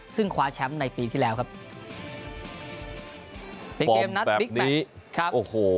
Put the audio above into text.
ซึ่งคว้าแชมป์ในปีที่แล้วครับเป็นเกมนัดบิ๊กแมทครับโอ้โห